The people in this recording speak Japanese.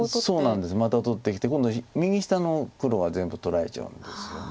また取ってきて今度は右下の黒が全部取られちゃうんですよね。